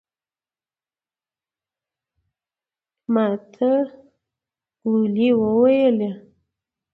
ماته ګولي وويلې.